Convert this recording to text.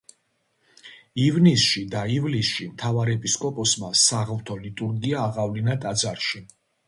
ივნისში და ივლისში მთავარეპისკოპოსმა საღვთო ლიტურგია აღავლინა ტაძარში.